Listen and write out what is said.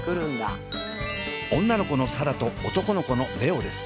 女の子の紗蘭と男の子の蓮音です。